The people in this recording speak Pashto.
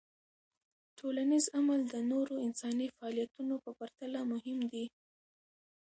ټولنیز عمل د نورو انساني فعالیتونو په پرتله مهم دی.